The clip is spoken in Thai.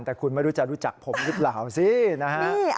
แต่คุณไม่รู้จะรู้จักผมหรือเปล่าสินะฮะ